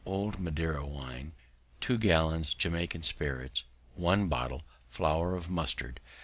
old Madeira wine. 2 gallons Jamaica spirits. 1 bottle flour of mustard.